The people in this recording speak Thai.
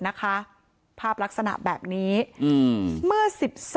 นางศรีพรายดาเสียยุ๕๑ปี